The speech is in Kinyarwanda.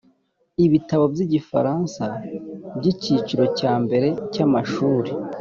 ibitabo by igifaransa by icyiciro cya mbere cy amashuri